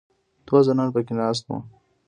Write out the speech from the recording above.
دوه ځوانان په کې ناست وو.